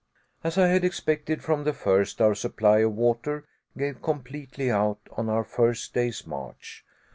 As I had expected from the first, our supply of water gave completely out on our first day's march.